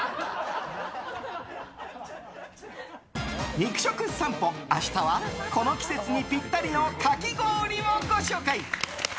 肉食さんぽ明日はこの季節にピッタリのかき氷をご紹介。